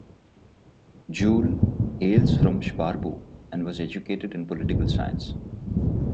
Juul hails from Sparbu, and was educated in political science.